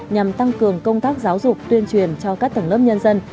nhằm tăng cường công tác giáo dục tuyên truyền cho các tầng lớp nhân dân